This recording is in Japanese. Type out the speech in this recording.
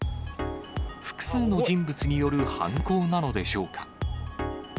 複数の人物による犯行なのでしょうか。